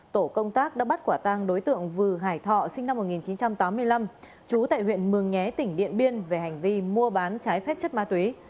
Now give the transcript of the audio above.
tổ công tác đã bắt quả tang đối tượng vừa hải thọ sinh năm một nghìn chín trăm tám mươi năm trú tại huyện mường nhé tỉnh điện biên về hành vi mua bán trái phép chất ma túy